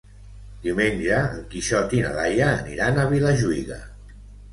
Diumenge en Quixot i na Laia aniran a Vilajuïga.